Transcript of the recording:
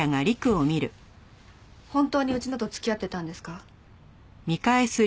本当にうちのと付き合ってたんですか？